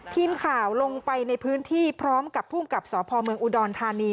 ทีมข่าวลงไปในพื้นที่พร้อมกับภูมิกับสพเมืองอุดรธานี